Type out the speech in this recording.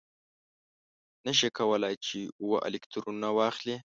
نه شي کولای چې اوه الکترونه واخلي.